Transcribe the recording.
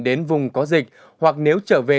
đến vùng có dịch hoặc nếu trở về